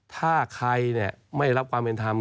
ถ้าใครไม่รับความเป็นธรรม